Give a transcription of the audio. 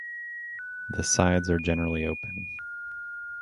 The sides are generally open.